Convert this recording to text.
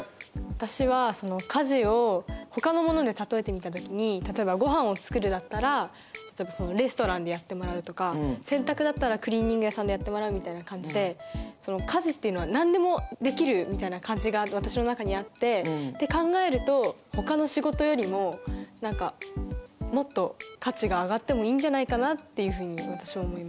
私は家事をほかのもので例えてみた時に例えばごはんを作るだったらレストランでやってもらうとか洗濯だったらクリーニング屋さんでやってもらうみたいな感じで家事っていうのは何でもできるみたいな感じが私の中にあってって考えるとほかの仕事よりも何かもっと価値が上がってもいいんじゃないかなっていうふうに私は思います。